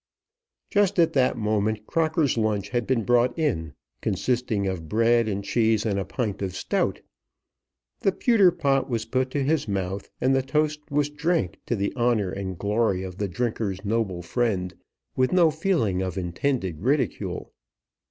Just at that moment Crocker's lunch had been brought in, consisting of bread and cheese and a pint of stout. The pewter pot was put to his mouth and the toast was drank to the honour and glory of the drinker's noble friend with no feeling of intended ridicule.